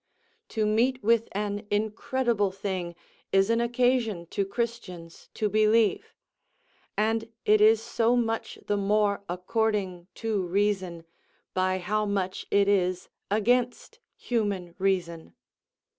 To meet with an incredible thing is an occasion to Christians to believe; and it is so much the more according to reason, by how much it is against human reason.